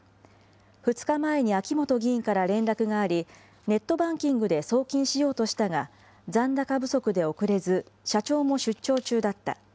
２日前に秋本議員から連絡があり、ネットバンキングで送金しようとしたが、残高不足で送れず、社長も出張中だった。